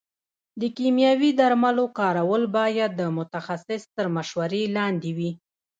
د کيمياوي درملو کارول باید د متخصص تر مشورې لاندې وي.